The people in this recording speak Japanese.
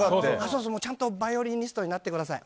ちゃんとバイオリニストになってください。